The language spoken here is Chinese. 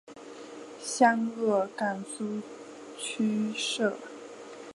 湘鄂赣苏区设。